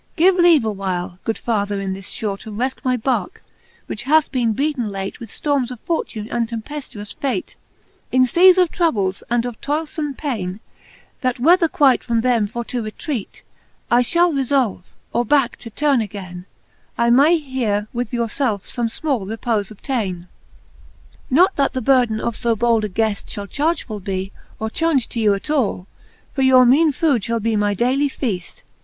Give leave awhile, good father, in this fhore, To refte my barcke, which hath bene beaten late With ftormes of fortune and tempeftuous fate. In feas of troubles, and of toylefome paine ; That whether quite from them for to retrate I fhall refolve, or backe to turne againe, I may here with your felfe fome fmall repofe obtaine. XXXII. Not that the burden of fo bold a gueft Shall chargefull be, or chaunge to you at all ; For your meane food fhall be my daily feaft.